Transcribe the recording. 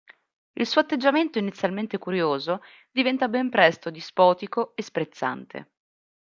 Il suo atteggiamento inizialmente curioso diventa ben presto dispotico e sprezzante.